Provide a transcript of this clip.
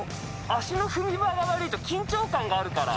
足の踏み場が悪いと緊張感があるから。